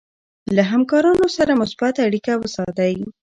له همکارانو سره مثبت اړیکه وساتئ.